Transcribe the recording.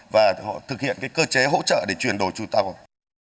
và họ thực hiện cái cơ chế hỗ trợ để truyền đổi trụ tăng